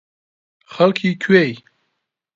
خەڵکی کوێی؟